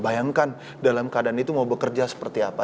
bayangkan dalam keadaan itu mau bekerja seperti apa